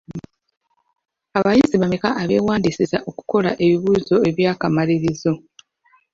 Abayizi bameka abeewandiisizza okukola ebibuuzo eby'akamalirizo?